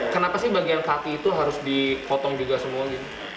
kenapa bagian kaki itu harus dikotong juga semua